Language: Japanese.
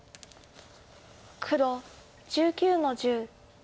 黒１９の十。